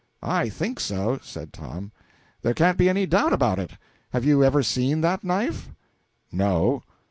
"I think so," said Tom. "There can't be any doubt of it. Have you ever seen that knife?" "No."